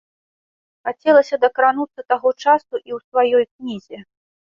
Хацелася дакрануцца таго часу і ў сваёй кнізе.